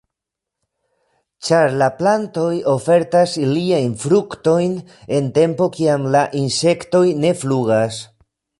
Ĉar la plantoj ofertas iliajn fruktoj en tempo kiam la insektoj ne flugas.